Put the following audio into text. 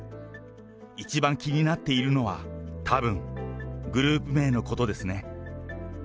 一番気になっているのは、たぶんグループ名のことですね。